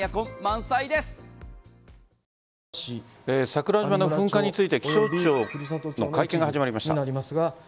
桜島の噴火について気象庁の会見が始まりました。